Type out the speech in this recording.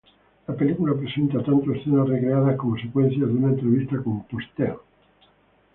La película presenta tanto escenas recreadas como secuencias de una entrevista con Postel.